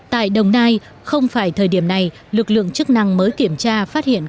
tại đồng nai không phải thời điểm này lực lượng chức năng mới kiểm tra phát hiện